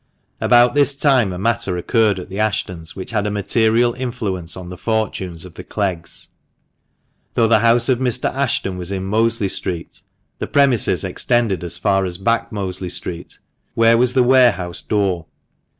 About this time a matter occurred at the Ashtons' which had a material influence on the fortunes of the Cleggs. Though the house of Mr. Ashton was in Mosley Street, the premises extended as far as Back Mosley Street, where was the warehouse door.